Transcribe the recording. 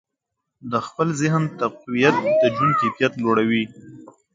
د خپل ذهن تقویت د ژوند کیفیت لوړوي.